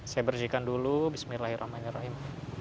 saya bersihkan dulu bismillahirrahmanirrahim